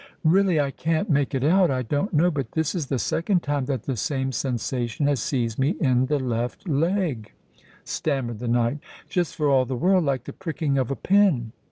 "Really—I can't make it out—I don't know—but this is the second time that the same sensation has seized me in the left leg," stammered the knight: "just for all the world like the pricking of a pin.